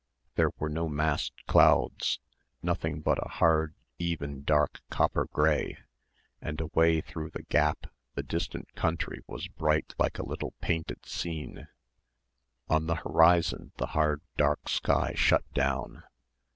There were no massed clouds, nothing but a hard even dark copper grey, and away through the gap the distant country was bright like a little painted scene. On the horizon the hard dark sky shut down.